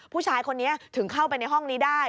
ผู้ชายคนนี้ถึงเข้าไปในห้องนี้ได้